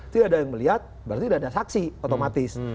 tidak ada yang melihat berarti tidak ada saksi otomatis